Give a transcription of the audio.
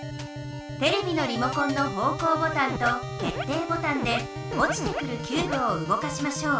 テレビのリモコンの方向ボタンと決定ボタンでおちてくるキューブをうごかしましょう。